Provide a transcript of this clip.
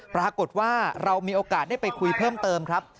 ปรากฏว่าเรามีโอกาสได้ไปคุยเพิ่มเติมครับ